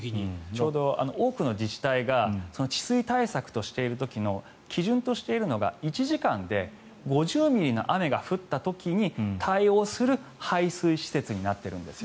ちょうど多くの自治体が治水対策としている時の基準としているのが１時間で５０ミリの雨が降った時に対応する排水施設になっているんです。